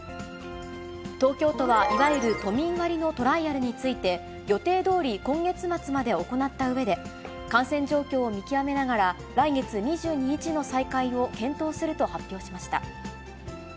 東京都はいわゆる都民割のトライアルについて、予定どおり、今月末まで行ったうえで、感染状況を見極めながら、来月２２日の再開を検討すると発表しました。